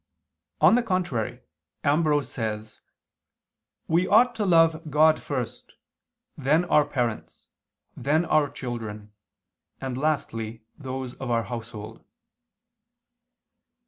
On the contrary, Ambrose [*Origen, Hom. ii in Cant.] says: "We ought to love God first, then our parents, then our children, and lastly those of our household."